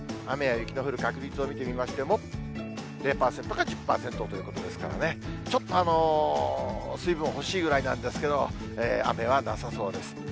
雨や雪の降る確率を見てみましても、０％か１０％ということですからね、ちょっと水分欲しいぐらいなんですけど、雨はなさそうです。